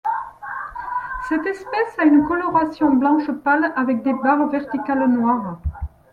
Cette espèce a une coloration blanche pâle avec des barres verticales noires.